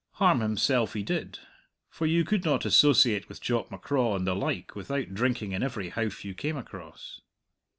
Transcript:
Harm himself he did, for you could not associate with Jock M'Craw and the like without drinking in every howff you came across.